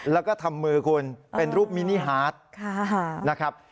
แล้วก็ทำมือคุณเป็นรูปมินิฮาร์ดนะครับ